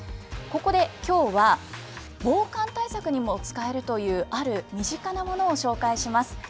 そこで、きょうは防寒対策にも使えるというある身近なものを紹介します。